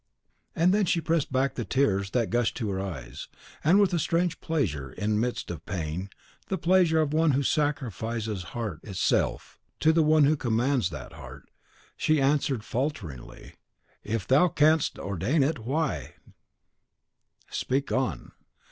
And then she pressed back the tears that gushed to her eyes; and with a strange pleasure in the midst of pain, the pleasure of one who sacrifices heart itself to the one who commands that heart, she answered falteringly, "If thou CANST ordain it, why " "Speak on."